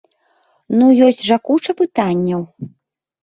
Ну, ёсць жа куча пытанняў!